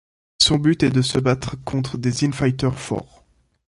Son but est de se battre contre des in-fighters forts.